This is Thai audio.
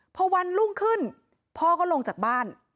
พอวันรุ่งขึ้นพ่อก็ลงจากบ้าน